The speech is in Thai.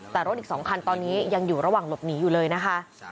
แต่รถอีก๒คันตอนนี้ยังอยู่ระหว่างหลบหนีอยู่เลยนะคะ